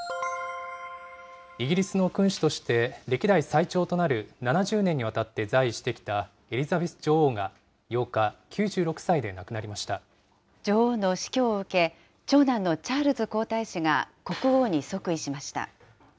イギリスの君主として、歴代最長となる７０年にわたって在位してきたエリザベス女王が、女王の死去を受け、長男のチャールズ皇太子が国王に即位しました。